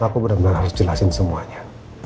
aku bener bener harus jelasin semuanya